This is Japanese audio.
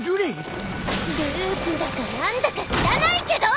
ループだか何だか知らないけど！